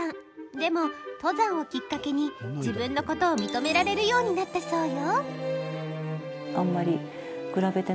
でも登山をきっかけに自分のことを認められるようになったそうよ。